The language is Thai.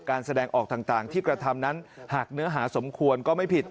แสดงออกต่างที่กระทำนั้นหากเนื้อหาสมควรก็ไม่ผิด